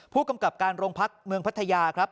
ผู้กำกับการโรงพักเมืองพัทยาครับ